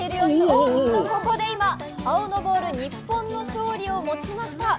おっとここで、青のボール、日本の勝利を持ちました。